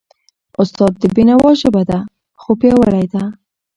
استاد د بینوا ژبه ساده، خو پیاوړی ده.